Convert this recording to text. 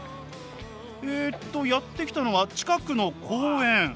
えっとやって来たのは近くの公園。